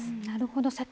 なるほど。